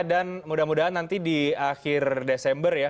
dan mudah mudahan nanti di akhir desember ya